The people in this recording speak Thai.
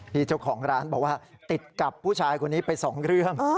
นี่เจ้าของร้านบอกว่าติดกับผู้ชายคนนี้ไปสองเรื่อง